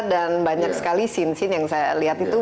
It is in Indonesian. dan banyak sekali scene scene yang saya lihat itu